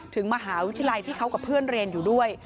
ถึงมหาวิทยาลัยที่เขากับเพื่อนเรียนอยู่ด้วย